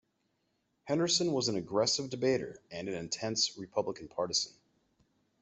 Henderson was an aggressive debater and an intense Republican partisan.